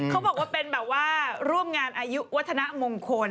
เขาบอกว่าเป็นแบบว่าร่วมงานอายุวัฒนามงคล